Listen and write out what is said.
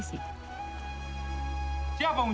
siapapun setelah perolehan